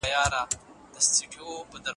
زده کړه د مثبتو فکرونو د ترویج سبب ګرځي.